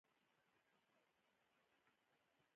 • د ورځې پاکوالی د انسان صفا ښيي.